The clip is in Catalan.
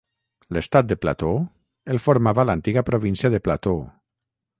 L'estat de Plateau el formava l'antiga província de Plateau.